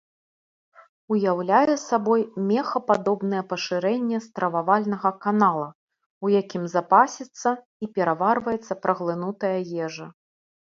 Уяўляе сабой мехападобнае пашырэнне стрававальнага канала, у якім запасіцца і пераварваецца праглынутая ежа.